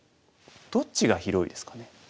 どっちが広いですかね？